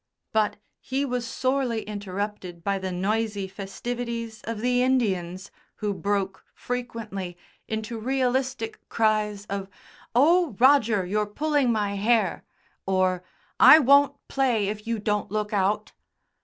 but he was sorely interrupted by the noisy festivities of the Indians who broke, frequently, into realistic cries of "Oh! Roger, you're pulling my hair," or "I won't play if you don't look out!"